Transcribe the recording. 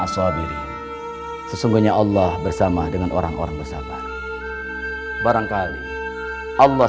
sesungguhnya allah bersama dengan orang orang bersabar barangkali allah